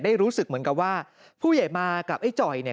รู้สึกเหมือนกับว่าผู้ใหญ่มากับไอ้จ่อยเนี่ย